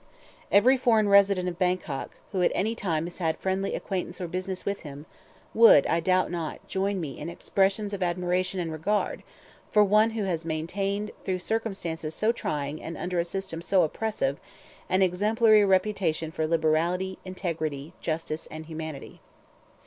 Every foreign resident of Bangkok, who at any time has had friendly acquaintance or business with him, would, I doubt not, join me in expressions of admiration and regard for one who has maintained through circumstances so trying and under a system so oppressive an exemplary reputation for liberality, integrity, justice, and humanity.